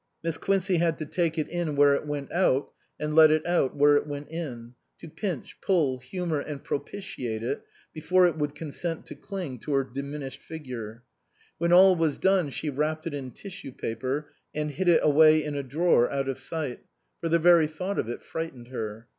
Miss Quincey had to take it in 254 SPRING FASHIONS where it went out, and let it out where it went in, to pinch, pull, humour and propitiate it before it would consent to cling to her dimin ished figure. When all was done she wrapped it in tissue paper and hid it away in a drawer out of sight, for the very thought of it frightened her.